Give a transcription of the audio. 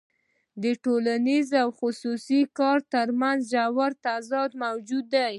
د ټولنیز او خصوصي کار ترمنځ ژور تضاد موجود دی